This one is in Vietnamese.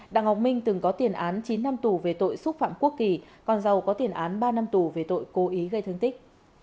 đặng ngọc minh từng có tiền án chín năm tù về tội xúc phạm quốc kỳ con giàu có tiền án ba năm tù về tội cố ý gây thương tích